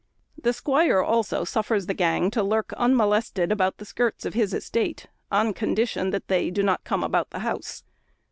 The squire also suffers the gang to lurk unmolested about the skirts of his estate, on condition that they do not come about the house.